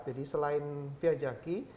jadi selain via jaki